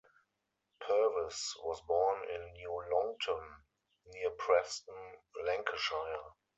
Purves was born in New Longton, near Preston, Lancashire.